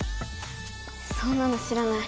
そんなの知らない！